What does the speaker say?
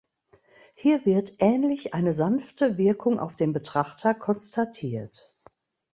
Hier wird ähnlich eine sanfte Wirkung auf den Betrachter konstatiert.